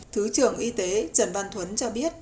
thứ trưởng y tế trần văn thuấn cho biết